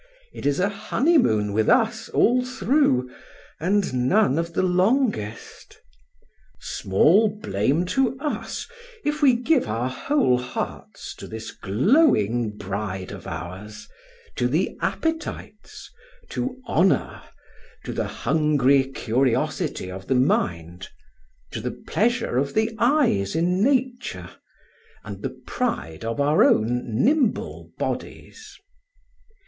It is a honeymoon with us all through, and none of the longest. Small blame to us if we give our whole hearts to this glowing bride of ours, to the appetites, to honour, to the hungry curiosity of the mind, to the pleasure of the eyes in nature, and the pride of our own nimble bodies.